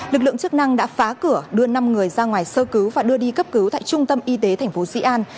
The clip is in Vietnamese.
lực lượng chức năng đã phá cửa đưa năm người ra ngoài sơ cứu và đưa đi cấp cứu tại trung tâm y tế thành phố sĩ an